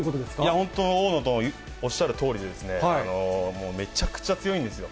本当に大野のおっしゃるとおりで、もうめちゃくちゃ強いんですよ。